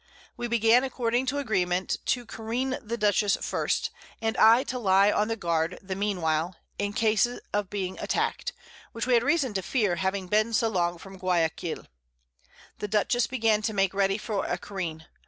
We began, according to agreement, to careen the Dutchess first, and I to lye on the Guard the mean while, in case of being attack'd, which we had reason to fear, having been so long from Guiaquil. The Dutchess began to make ready for a Careen.